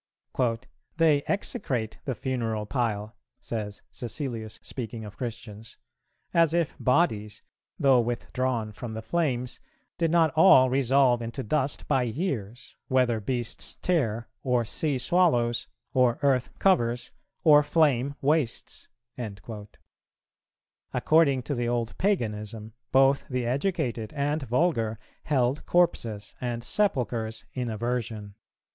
"They execrate the funeral pile," says Cæcilius, speaking of Christians, "as if bodies, though withdrawn from the flames, did not all resolve into dust by years, whether beasts tear, or sea swallows, or earth covers, or flame wastes." According to the old Paganism, both the educated and vulgar held corpses and sepulchres in aversion.